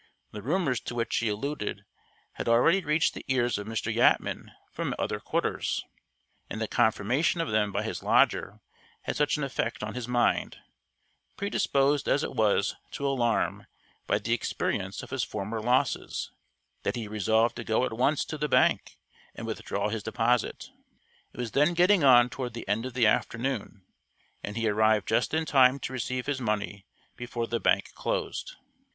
The rumors to which he alluded had already reached the ears of Mr. Yatman from other quarters, and the confirmation of them by his lodger had such an effect on his mind predisposed as it was to alarm by the experience of his former losses that he resolved to go at once to the bank and withdraw his deposit. It was then getting on toward the end of the afternoon, and he arrived just in time to receive his money before the bank closed.